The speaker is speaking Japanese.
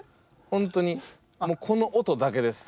本当にこの音だけです。